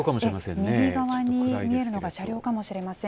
右側に見えるのが車両かもしれません。